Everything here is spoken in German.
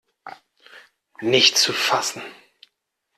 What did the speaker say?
Nicht zu fassen!